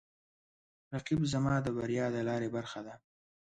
رقیب زما د بریا د لارې برخه ده